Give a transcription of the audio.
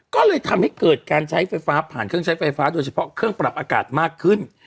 ก็เลยทำให้เกิดการใช้ไฟฟ้าผ่านเครื่องใช้ไฟฟ้าโดยเฉพาะเครื่องปรับอากาศมากขึ้น